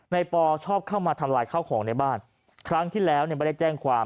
ปอชอบเข้ามาทำลายข้าวของในบ้านครั้งที่แล้วเนี่ยไม่ได้แจ้งความ